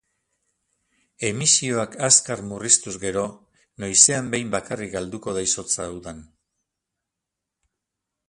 Emisioak azkar murriztuz gero, noizean behin bakarrik galduko da izotza udan.